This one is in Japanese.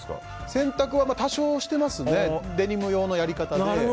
洗濯は多少してますねデニム用のやり方で。